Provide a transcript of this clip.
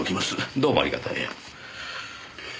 どうもありがとう。